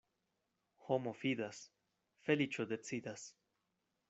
Homo fidas, feliĉo decidas.